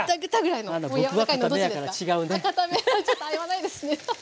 ちょっと合わないですね。